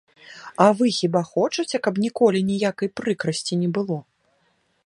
А вы хіба хочаце, каб ніколі ніякай прыкрасці не было?